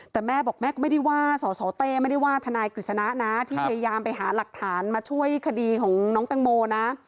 แต่แม่บอกแม่ก็ไม่ได้ว่าสสเต้ไม่ได้ว่าทนายกฤษณะนะที่พยายามไปหาหลักฐานมาช่วยคดีของน้องแตงโมนะ